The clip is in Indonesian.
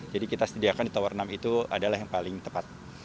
jadi kita sediakan di tower enam itu adalah yang paling tepat